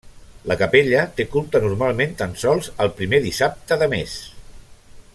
La capella té culte normalment tan sols el primer dissabte de mes.